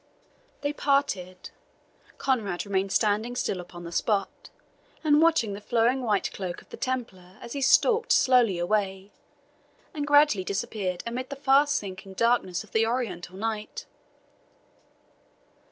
They parted. Conrade remained standing still upon the spot, and watching the flowing white cloak of the Templar as he stalked slowly away, and gradually disappeared amid the fast sinking darkness of the Oriental night.